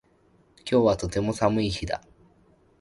今日はとても寒い日だ